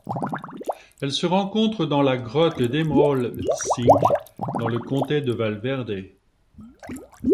Elle se rencontre dans la grotte Emerald Sink dans le comté de Val Verde.